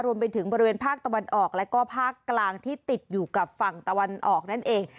รวมไปถึงบริเวณภาคตะวันออกแล้วก็ภาคกลางที่ติดอยู่กับฝั่งตะวันออกนั่นเอง